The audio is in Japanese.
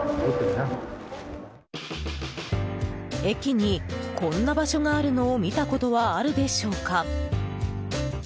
駅にこんな場所があるのを見たことはあるでしょうか。